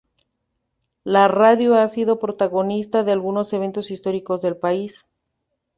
La radio ha sido protagonista de algunos eventos históricos del país.